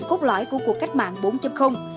cốt lõi của cuộc cách mạng bốn